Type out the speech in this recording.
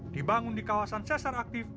dibangun di kawasan sesar aktif